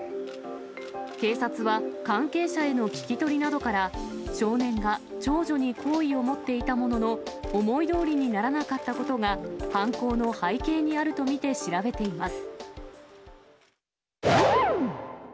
警察は関係者への聞き取りなどから、少年が長女に好意を持っていたものの、思いどおりにならなかったことが、犯行の背景にあると見て調べています。